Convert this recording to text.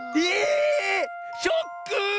ショック！